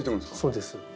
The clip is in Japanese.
そうです。